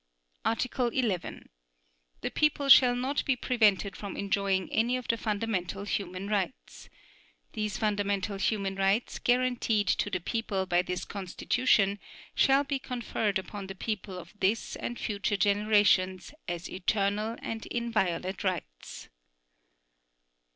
Article 11. The people shall not be prevented from enjoying any of the fundamental human rights. These fundamental human rights guaranteed to the people by this Constitution shall be conferred upon the people of this and future generations as eternal and inviolate rights.